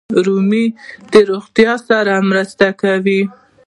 رومیان د روغتیا سره مرسته کوي